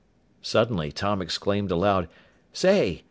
Suddenly Tom exclaimed aloud, "Say!